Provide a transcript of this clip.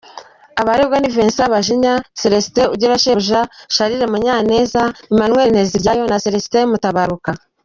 Abaregwa ni Vicent Bajinya, Celestin Ugirashebuja, Charles Munyaneza, Emmanuel Nteziryayo na Celestin Mutabaruka.